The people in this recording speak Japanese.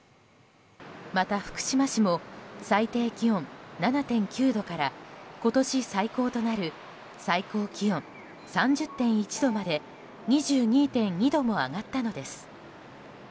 また、福島市も最低気温７．９度から今年最高となる最高気温３０．１度まで２２．２度も上がったのです。